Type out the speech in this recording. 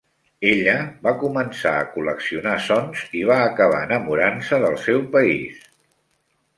Ella va començar a col·leccionar sons i va acabar enamorant-se del seu país.